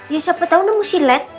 ya siapa tau namanya silet